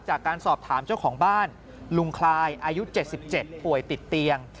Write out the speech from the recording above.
จากการสอบถามเจ้าของบ้านลุงคลายอายุ๗๗ป่วยติดเตียง